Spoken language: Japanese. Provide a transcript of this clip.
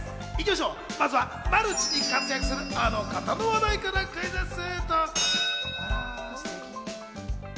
まずはマルチに活躍する、あの方の話題からクイズッス！